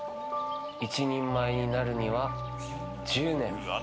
一人前になるには１０年。